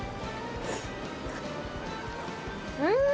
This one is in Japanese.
うん！